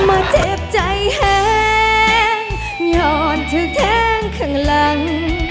มาเจ็บใจแห้งหย่อนเธอแท้งข้างหลัง